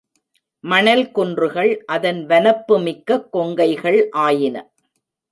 மணல்குன்றுகள் அதன் வனப்புமிக்க கொங்கைகள் ஆயின.